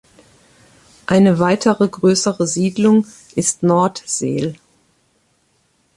Eine weitere größere Siedlung ist Nord-Sel.